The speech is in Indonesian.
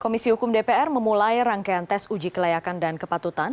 komisi hukum dpr memulai rangkaian tes uji kelayakan dan kepatutan